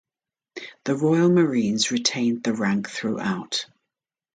The Royal Marines retained the rank throughout.